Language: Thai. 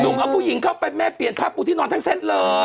หนุ่มเอาผู้หญิงเข้าไปแม่เปลี่ยนพระปุทินอนทั้งเส้นเลย